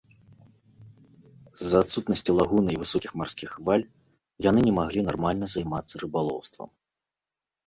З-за адсутнасці лагуны і высокіх марскіх хваль яны не маглі нармальна займацца рыбалоўствам.